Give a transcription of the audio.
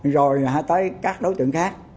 rồi tới các đối tượng khác